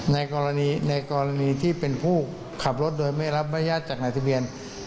ในกรณีในกรณีที่เป็นผู้ขับรถโดยไม่รับบรรยาทจากนายทะเบียน